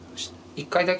１回だけ？